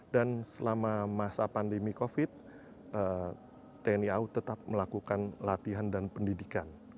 dan selama masa pandemi covid tni au tetap melakukan latihan dan pendidikan